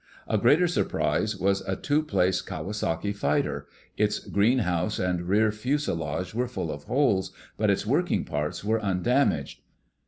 A greater surprise was a two place Kawasaki fighter. Its greenhouse and rear fuselage were full of holes, but its working parts were undamaged.